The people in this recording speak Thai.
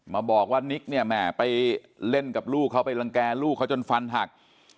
มาบอกว่านิกเนี่ยแม่ไปเล่นกับลูกเขาไปรังแก่ลูกเขาจนฟันหัก